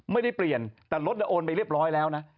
ไม่ได้เปลี่ยนแต่รถโอนไปเรียบร้อยแล้วนะ